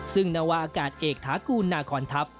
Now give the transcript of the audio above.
ซึ่งนวากาศเอกฐากูลนาคอนทัพ